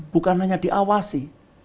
bukan hanya diawasi